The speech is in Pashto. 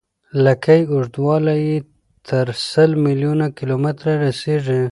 لکۍ اوږدوالی یې تر سل میلیون کیلومتره رسیږي.